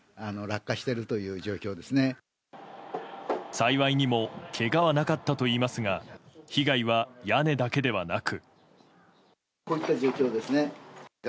幸いにもけがはなかったといいますが被害は屋根だけではなく。